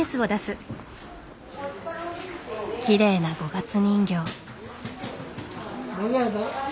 きれいな五月人形。